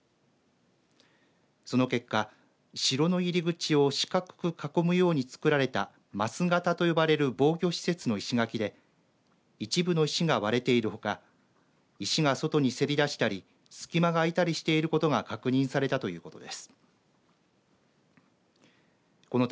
その結果、城の入り口を四角く囲むように作られた枡形と呼ばれる防御施設の石垣で一部の石が割れているほか石が外にせり出したり隙間が開いたりしていることが確認されたということです。